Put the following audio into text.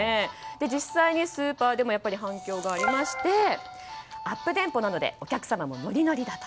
実際にスーパーでも反響がありましてアップテンポなのでお客様もノリノリだと。